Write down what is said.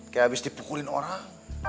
kayak abis dipukulin orang